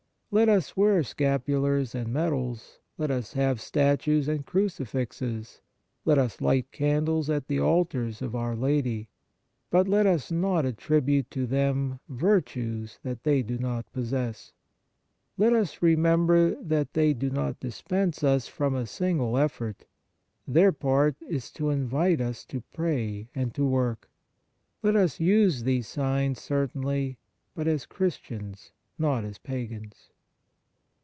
Let us wear scapulars and medals, let us have statues and crucifixes, let us light candles at the altars of our Lady, but let us not attribute to them virtues that they do not possess. Let us remember that 61 On the Exercises of Piety they do not dispense us from a single effort ; their part is to invite us to pray and to work. Let us use these signs, certainly, but as Christians, not as pagans.